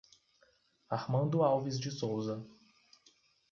Armando Alves de Souza